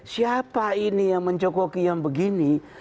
siapa ini yang mencokoki yang begini